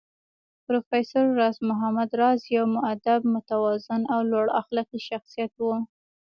پروفېسر راز محمد راز يو مودب، متوازن او لوړ اخلاقي شخصيت و